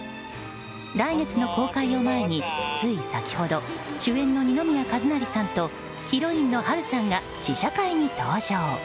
来月の公開を前に、つい先ほど主演の二宮和也さんとヒロインの波瑠さんが試写会に登場。